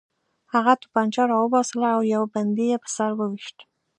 هغه توپانچه راوباسله او یو بندي یې په سر وویشت